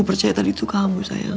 aku percaya tadi itu kamu sayang